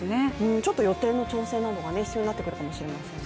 ちょっと予定の調整などが必要になってくるかもしれませんね。